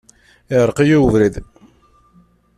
Iɛreq-iyi ubrid.